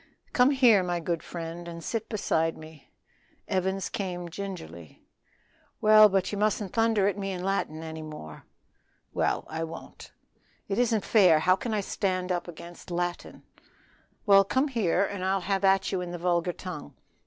"Come here, my good friend, and sit beside me." Evans came gingerly. "Well, but ye mustn't thunder at me in Latin any more." "Well, I won't." "It isn't fair; how can I stand up against Latin?" "Well, come here and I'll have at you in the vulgar tongue.